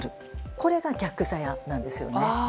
これが逆ザヤなんですよね。